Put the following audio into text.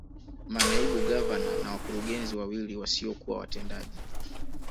Manaibu Gavana na wakurugenzi wawili wasiokuwa watendaji